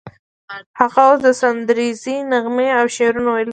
هغه اوس سندریزې نغمې او شعرونه ویل